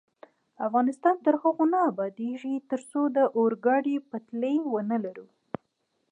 افغانستان تر هغو نه ابادیږي، ترڅو د اورګاډي پټلۍ ونلرو.